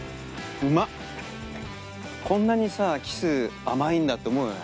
こんなにさキス甘いんだって思うよね。